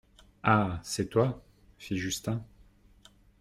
Ah ! c'est toi ? fit Justin.